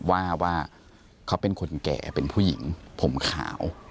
ว่าว่าเขาเป็นคนแก่เป็นผู้หญิงผมขาว